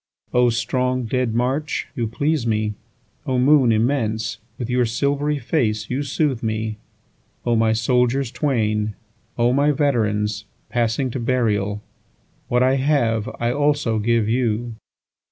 8O strong dead march, you please me!O moon immense, with your silvery face you soothe me!O my soldiers twain! O my veterans, passing to burial! What I have I also give you.